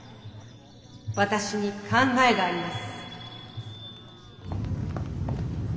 私に考えがあります。